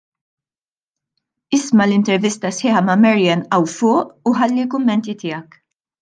Isma' l-intervista sħiħa ma' Maryanne hawn fuq u ħalli l-kummenti tiegħek.